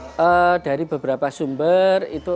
nah berasal dari beberapa sumber